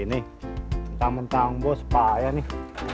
mentang mentang bos payah nih